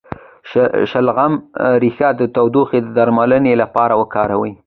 د شلغم ریښه د ټوخي د درملنې لپاره وکاروئ